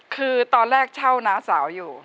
คือตอนแรกเช่าน้าสาวอยู่